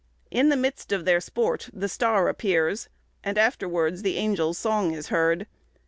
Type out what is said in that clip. In the midst of their sport the star appears, and afterwards the angels' song is heard.